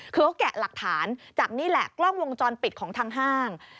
คือเขาแกะหลักฐานจากนี่แหละกล้องวงจรปิดของทางห้าง